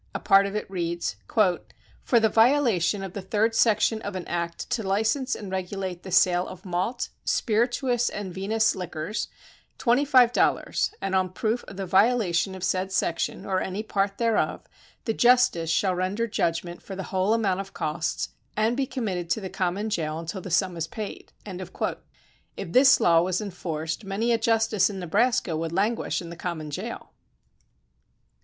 A part of it reads :*' For the violation of the third section of an act to license and regulate the sale of malt, spirituous and vinous liquors, twenty five dollars, and on proof of the violation of said section or any part thereof, the justice shall render judg ment for the whole amount of costs and be committed to the common jail until the sum is paid." If this law was enforced many a justice in Nebraska would languish in the common jail.